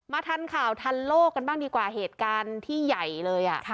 ทันข่าวทันโลกกันบ้างดีกว่าเหตุการณ์ที่ใหญ่เลย